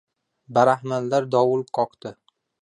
Barahmanlar dovul qokdi